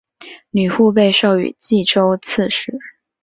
吕护被授予冀州刺史。